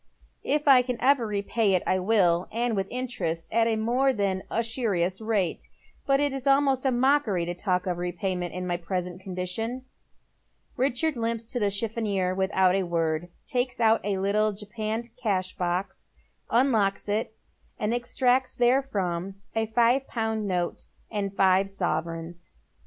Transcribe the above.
" If I ever can repay it I will, and with interest at a more than •usurious rate. But it is almost a mockery to talk of repayment in my present condition." Richard limps to the chiffonier without a word, takes out a little japanned cash box, unlocks it, and extracts therefrom a five pound note and five sovereigns.